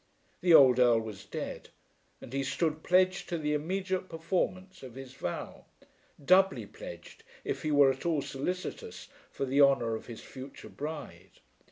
The old Earl was dead, and he stood pledged to the immediate performance of his vow, doubly pledged if he were at all solicitous for the honour of his future bride.